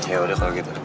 ya udah kalau gitu